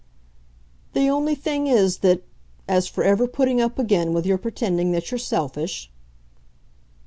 "The only thing is that, as for ever putting up again with your pretending that you're selfish